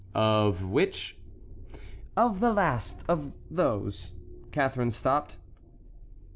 "Of which?" "Of the last, of those"— Catharine stopped.